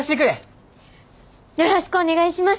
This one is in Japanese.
よろしくお願いします！